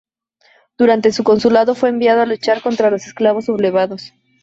Durante su consulado fue enviado a luchar contra los esclavos sublevados.